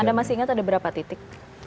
anda masih ingat ada berapa titik